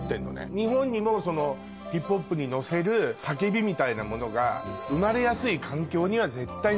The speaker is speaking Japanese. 日本にもヒップホップに乗せる叫びみたいなものが生まれやすい環境には絶対なってると思うの。